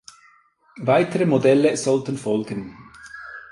Weitere Modelle sollten folgen.